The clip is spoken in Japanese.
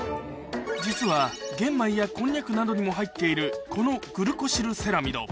実は玄米やこんにゃくなどにも入っているこのグルコシルセラミド